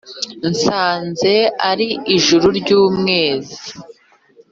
«nsanze ari ijuru ry’umwezi